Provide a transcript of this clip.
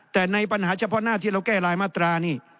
แต่ในปัญหาเฉพาะหน้าที่เราแก้รายมาตรานี่